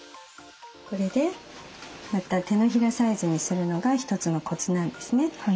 これでまた手のひらサイズにするのが一つのコツなんですね。